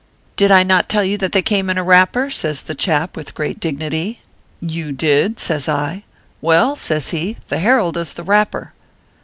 " Did I not tell you that they came in a wrapper ? says the chap, with great dignity. " You did," says I. " Well," says he, " the Herald is the wrapper."